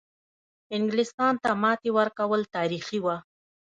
انګلیستان ته ماتې ورکول تاریخي وه.